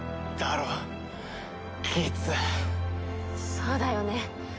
そうだよね？